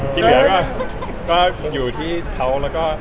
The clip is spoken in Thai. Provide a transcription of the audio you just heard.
ทีเหลือก็อยู่ที่เค้าก็